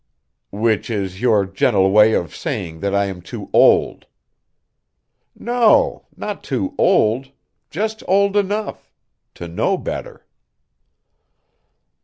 "Which is your gentle way of saying that I am too old." "No, not too old; just old enough to know better."